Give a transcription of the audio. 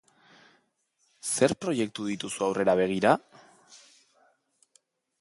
Zer proiektu dituzu aurrera begira?